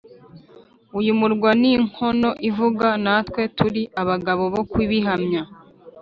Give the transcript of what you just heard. Uyu murwa ni inkono ivuga natwe turi abagabo bo kubihamya